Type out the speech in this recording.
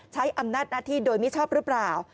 ใช้อำนาจหน้าที่โดยมิชอบหรือเปล่า